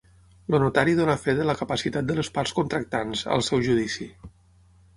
El Notari dóna fe de la capacitat de les parts contractants, al seu judici.